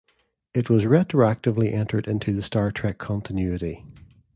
It was retroactively entered into the "Star Trek" continuity.